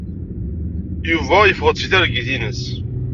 Yuba yefeɣ-d seg targit-ines.